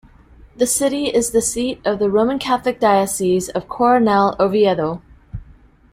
The city is the seat of the Roman Catholic Diocese of Coronel Oviedo.